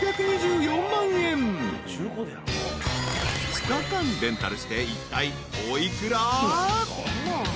［２日間レンタルしていったいお幾ら？］